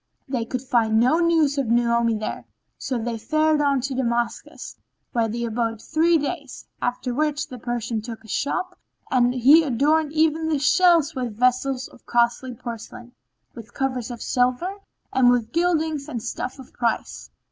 They could find no news of Naomi there so they fared on to Damascus, where they abode three days, after which the Persian took a shop and he adorned even the shelves with vessels of costly porcelain, with covers of silver, and with gildings and stuffs of price.